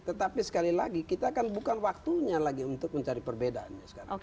tetapi sekali lagi kita kan bukan waktunya lagi untuk mencari perbedaannya sekarang